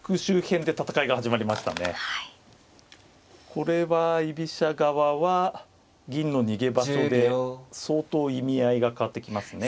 これは居飛車側は銀の逃げ場所で相当意味合いが変わってきますね。